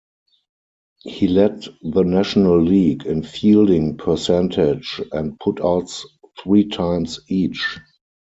He led the National League in fielding percentage and putouts three times each.